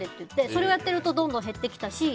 それをやっているとどんどん減ってきたし。